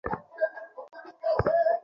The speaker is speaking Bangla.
তিনি ডক্টরেট সনদ লাভ করেন।